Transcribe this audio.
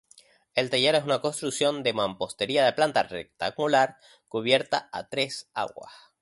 El taller es una construcción de mampostería de planta rectangular, cubierta a tres aguas.